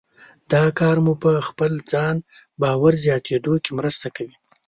دا کار مو په خپل ځان باور زیاتېدو کې مرسته کوي.